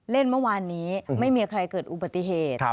เมื่อวานนี้ไม่มีใครเกิดอุบัติเหตุ